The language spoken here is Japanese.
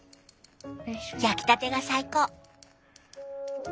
焼きたてが最高。